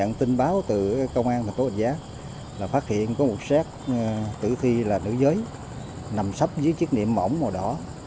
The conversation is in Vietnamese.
nằm sắp dưới chiếc niệm mỏng màu đỏ